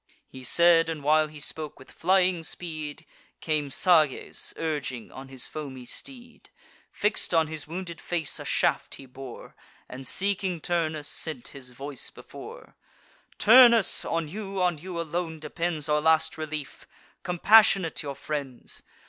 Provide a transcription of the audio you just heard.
He said; and while he spoke, with flying speed Came Sages urging on his foamy steed: Fix'd on his wounded face a shaft he bore, And, seeking Turnus, sent his voice before: "Turnus, on you, on you alone, depends Our last relief: compassionate your friends!